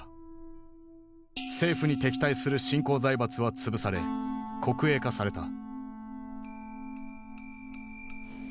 政府に敵対する新興財閥は潰され国営化された。